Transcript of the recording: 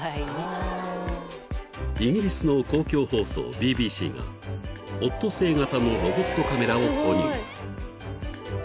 ［イギリスの公共放送ＢＢＣがオットセイ型のロボットカメラを投入］